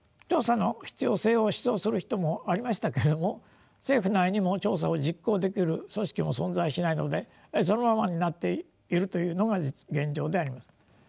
調査の必要性を主張する人もありましたけれども政府内にも調査を実行できる組織も存在しないのでそのままになっているというのが現状であります。